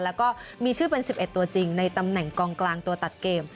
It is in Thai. แล้วก็มีชื่อเป็น๑๑ตัวจริงในตำแหน่งกองกลางตัวตัดเกม